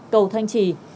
cầu thanh trì